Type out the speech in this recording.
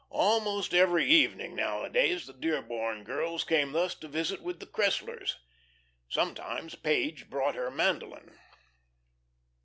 Almost every evening nowadays the Dearborn girls came thus to visit with the Cresslers. Sometimes Page brought her mandolin.